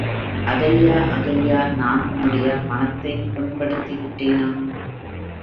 அகல்யா, அகல்யா நான் உன்னுடைய மனத்தைப் புண்படுத்திவிட்டேனா?